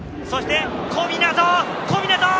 そして小湊！